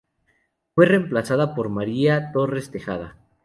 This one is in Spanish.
Fue reemplazada por María Torres Tejada.